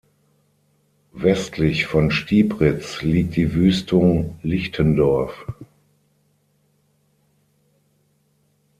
Westlich von Stiebritz liegt die Wüstung "Lichtendorf".